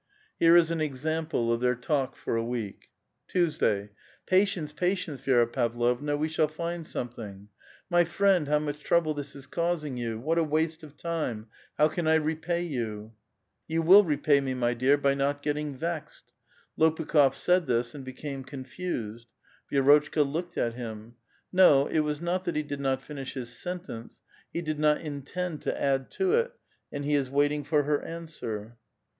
Here is an example of their talk for a week. Tuesday. — "Patience, patience, Vi^ra Pavlovna, we shall find something." " My friend, how much trouble this is causing you I What a waste of time 1 How can I repay you ?" *'You will repay me, my dear, by not getting vexed." Lopukh6f said this, and became confused. Vi^rotchka looked at him. No, it was not that he did not finish his sentence ; he did not intend to add to it, and he is waiting for her answer.